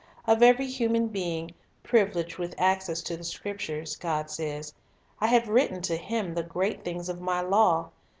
Of every human being privileged with access to the Scriptures, God says, "I have written to him the great things of My law."